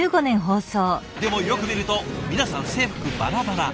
でもよく見ると皆さん制服バラバラ。